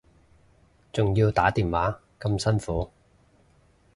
仲要打電話咁辛苦